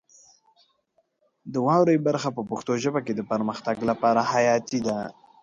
د واورئ برخه په پښتو ژبه کې د پرمختګ لپاره حیاتي ده.